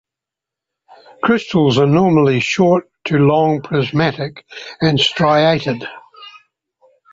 Crystals are normally short to long prismatic and striated.